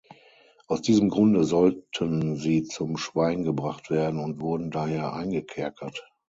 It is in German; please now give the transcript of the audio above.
Aus diesem Grunde sollten sie zum Schweigen gebracht werden und wurden daher eingekerkert.